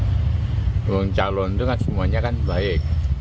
hitung calon itu kan semuanya kan baik